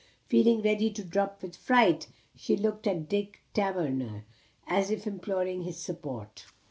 Feeling ready to drop with fright, she looked at Dick Taverner, as if imploring his support.